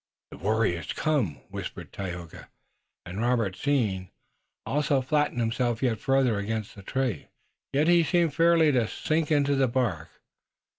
"The warriors come," whispered Tayoga, and Robert, seeing, also flattened himself yet farther against the tree, until he seemed fairly to sink into the bark.